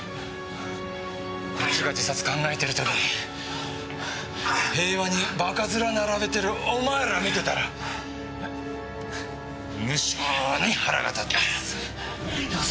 こっちが自殺考えてる時に平和にバカ面並べてるお前ら見てたら無性に腹が立ってさ。